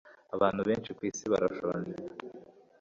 abantu benshi kwisi barashonje